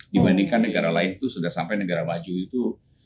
dibandingkan negara lain itu sudah sampai negara maju itu